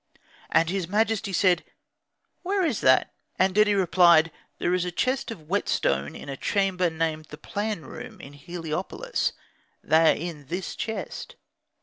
And his majesty said, "Where is that?" And Dedi replied, "There is a chest of whetstone in a chamber named the plan room, in Heli opolis; they are in this chest."